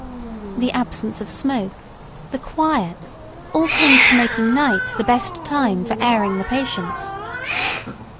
The absence of smoke, the quiet, all tend to making night the best time for airing the patients.